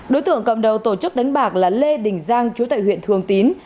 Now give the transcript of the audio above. đối tượng cầm đầu tổ chức đánh bạc là lê đình giang chú tại huyện thường tín